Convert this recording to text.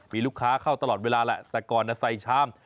มีลูกค้าเข้าตลอดเวลาแหละแต่ก่อนใส่ชาม